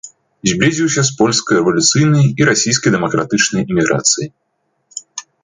Зблізіўся з польскай рэвалюцыйнай і расійскай дэмакратычнай эміграцыяй.